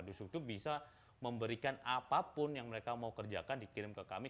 dus duk duk bisa memberikan apapun yang mereka mau kerjakan dikirim ke kami